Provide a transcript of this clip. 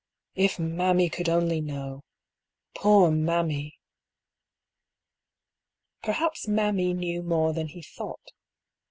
If mammy could only know ! Poor " mammy !" Perhaps " mammy " knew more than he thought.